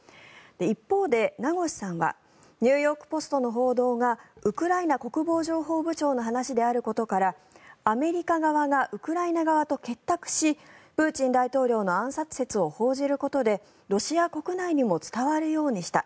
一方で、名越さんはニューヨーク・ポストの報道がウクライナ国防情報部長の話であることからアメリカ側がウクライナ側と結託しプーチン大統領の暗殺説を報じることでロシア国内にも伝わるようにした。